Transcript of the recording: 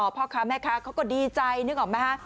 พ่อค้าแม่ค้าเขาก็ดีใจนึกออกไหมคะ